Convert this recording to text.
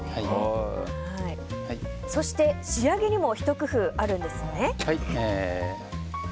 そして仕上げにもひと工夫あるんですよね。